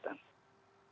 terima kasih pak sis